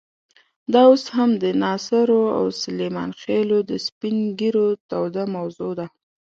دا اوس هم د ناصرو او سلیمان خېلو د سپین ږیرو توده موضوع ده.